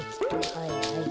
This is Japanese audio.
はいはい。